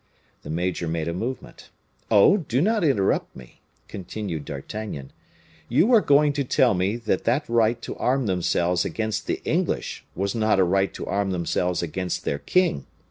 The major made a movement. "Oh! do not interrupt me," continued D'Artagnan. "You are going to tell me that that right to arm themselves against the English was not a right to arm themselves against their king.